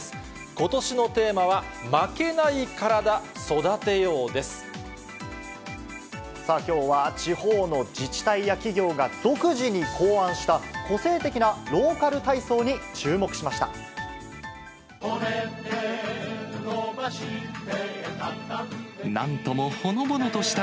ことしのテーマは、負けないカラダ、さあ、きょうは地方の自治体や企業が、独自に考案した個性的なローカル体操に注目しました。